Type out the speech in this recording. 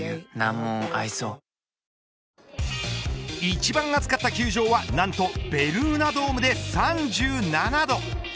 一番暑かった球場は何とベルーナドームで３７度。